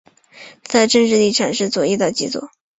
它的政治立场是左翼到极左。